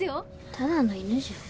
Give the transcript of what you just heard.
ただの犬じゃん。